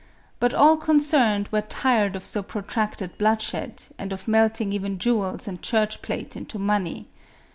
But all concerned were tired of so protracted bloodshed, and of melting even jewels and church plate into money.